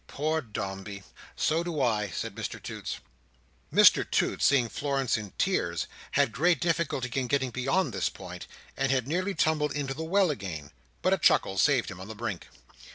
"Poor Dombey! So do I," said Mr Toots. Mr Toots, seeing Florence in tears, had great difficulty in getting beyond this point, and had nearly tumbled into the well again. But a chuckle saved him on the brink.